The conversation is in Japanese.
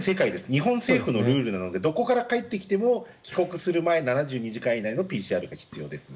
日本政府のルールなのでどこから帰ってきても帰国する前７２時間以内のＰＣＲが必要です。